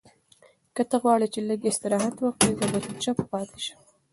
که ته غواړې چې لږ استراحت وکړې، زه به چپ پاتې شم.